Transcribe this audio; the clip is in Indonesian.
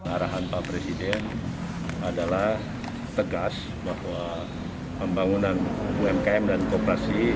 arahan pak presiden adalah tegas bahwa pembangunan umkm dan kooperasi